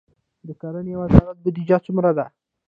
د کرنې وزارت بودیجه څومره ده؟